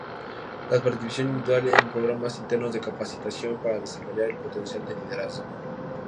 La participación individual en programas internos de capacitación para desarrollar el potencial de liderazgo.